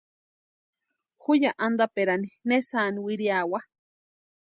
Ju ya antaperani ne sáni wiriawa.